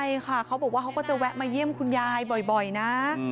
ใช่ค่ะเขาบอกว่าเขาก็จะแวะมาเยี่ยมคุณยายบ่อยนะ